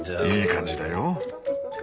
いい感じだよ！